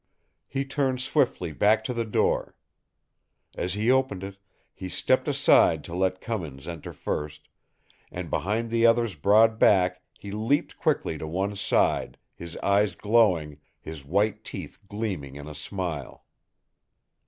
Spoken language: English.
He turned swiftly back to the door. As he opened it, he stepped aside to let Cummins enter first, and behind the other's broad back he leaped quickly to one side, his eyes glowing, his white teeth gleaming in a smile.